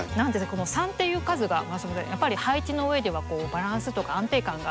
「３」っていう数がやっぱり配置のうえではバランスとか安定感が。